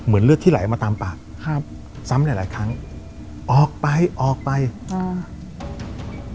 เลือดที่ไหลมาตามปากครับซ้ำหลายหลายครั้งออกไปออกไปอ่า